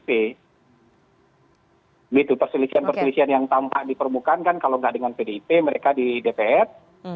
begitu perselisihan perselisihan yang tampak di permukaan kan kalau nggak dengan pdip mereka di dpr